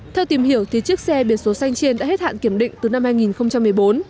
theo tìm hiểu thì chiếc xe biển số xanh trên đã hết hạn kiểm định từ năm hai nghìn một mươi bốn